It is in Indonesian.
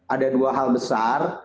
ada dua hal besar